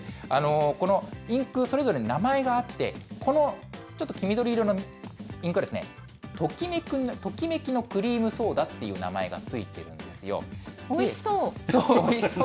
このインク、それぞれに名前があって、このちょっと黄緑色のインクは、ときめきのクリームソーダっていう名前が付いているんですおいしそう。